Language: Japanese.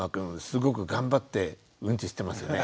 すごく頑張ってウンチしてますよね。